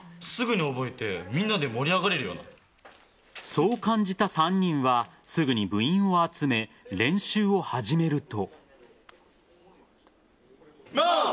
そう感じた３人はすぐに部員を集め練習を始めると。